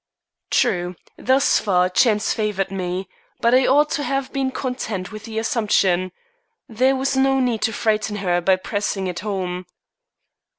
"True. Thus far, chance favored me. But I ought to have been content with the assumption. There was no need to frighten her by pressing it home."